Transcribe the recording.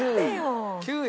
９位。